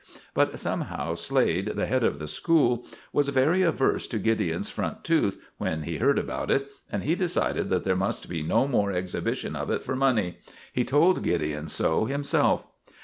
But somehow Slade, the head of the school, was very averse to Gideon's front tooth when he heard about it, and he decided that there must be no more exhibitions of it for money. He told Gideon so himself.